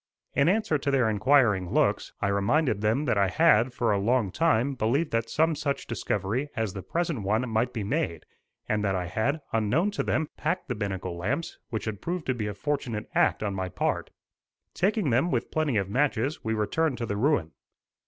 In answer to their inquiring looks, I reminded them that I had, for a long time, believed that some such discovery as the present one might be made, and that I had, unknown to them, packed the binnacle lamps which had proved to be a fortunate act on my part. Taking them, with plenty of matches, we returned to the ruin.